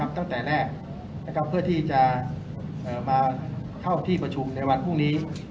ตั้งแต่แรกเพื่อที่จะมาเข้าที่ประชุมในวันพรุ่งนี้